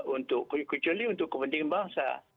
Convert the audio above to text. untuk kepentingan bangsa